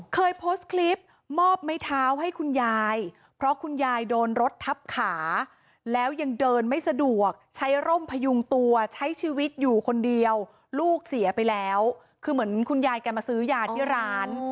เคยโพสต์คลิปมอบไม้เท้าให้คุณยายเพราะคุณยายโดนรถทับขาแล้วยังเดินไม่สะดวกใช้ร่มพยุงตัวใช้ชีวิตอยู่คนเดียวลูกเสียไปแล้วคือเหมือนคุณยายแกมาซื้อยาที่ร้าน